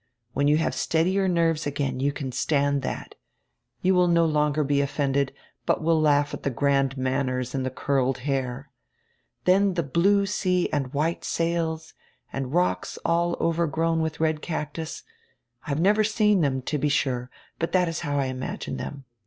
When you have steadier nerves again you can stand diat. You will no longer be offended, but will laugh at die grand manners and die curled hair. Then die blue sea and white sails and die rocks all overgrown with red cactus — I have never seen diem, to be sure, but diat is how I imagine them.